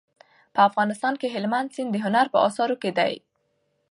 په افغانستان کې هلمند سیند د هنر په اثارو کې دی.